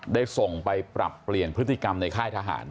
ได้ส่งไปปรับเปลี่ยนพฤติกรรมในค่ายทหาร